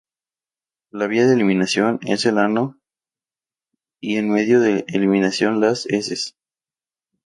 La vía de eliminación es el ano y el medio de eliminación, las heces.